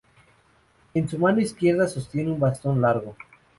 En su mano izquierda sostiene un bastón largo.